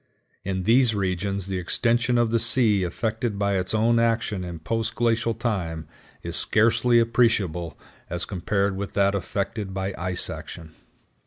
In these regions the extension of the sea effected by its own action in post glacial time is scarcely appreciable as compared with that effected by ice action.